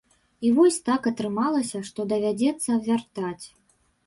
І вось так атрымалася, што давядзецца вяртаць.